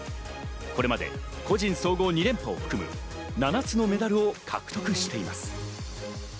これまで個人総合２連覇を含む７つのメダルを獲得しています。